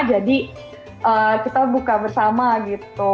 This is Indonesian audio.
jadi kita buka bersama gitu